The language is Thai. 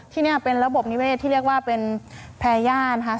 ที่นี่เป็นระบบนิเวศที่เรียกว่าเป็นแพรย่านะคะ